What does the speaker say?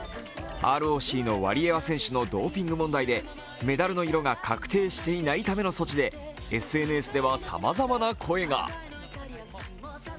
ＲＯＣのワリエワ選手のドーピング問題でメダルの色が確定していないための措置で、ＳＮＳではさまざまな声が。